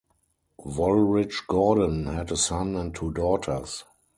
Wolrige-Gordon had a son and two daughters.